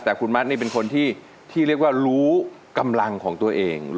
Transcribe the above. แต่คุณมัดนี่เป็นคนที่เรียกว่ารู้กำลังของตัวเอง